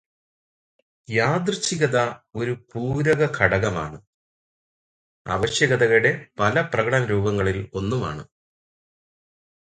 യാദൃശ്ചികത ഒരു പൂരകഘടകമാണ്, ആവശ്യകതയുടെ പല പ്രകടനരൂപങ്ങളിൽ ഒന്നുമാണ്.